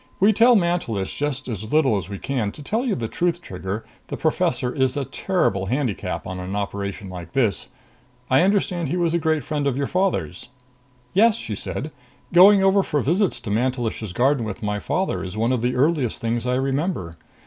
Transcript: We tell Mantelish just as little as we can. To tell you the truth, Trigger, the professor is a terrible handicap on an operation like this. I understand he was a great friend of your father's." "Yes," she said. "Going over for visits to Mantelish's garden with my father is one of the earliest things I remember.